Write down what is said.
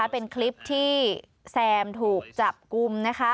เป็นคลิปที่แซมถูกจับกุม